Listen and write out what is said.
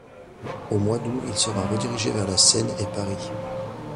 Au mois d'aout, il sera redirigé vers la Seine et Paris.